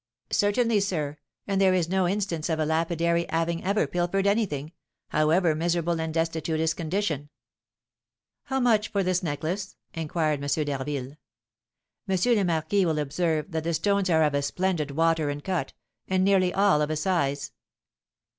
"Certainly, sir; and there is no instance of a lapidary having ever pilfered anything, however miserable and destitute his condition." "How much for this necklace?" inquired M. d'Harville. "M. le Marquis will observe that the stones are of a splendid water and cut, and nearly all of a size."